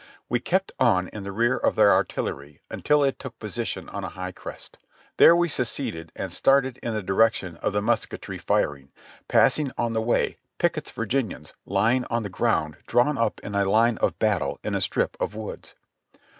We kept on in the rear of the artillery until it took position on a high crest; there we seceded and started in the direction of the musketry firing, passing on the way Pickett's Virginians lying on the ground drawn up in line of battle in a strip of woods.